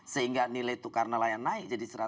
sehingga nilai tukar nelayan naik jadi satu ratus lima